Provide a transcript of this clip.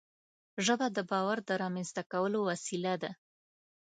ژبه د باور د رامنځته کولو وسیله ده